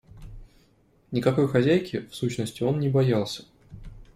Никакой хозяйки, в сущности, он не боялся.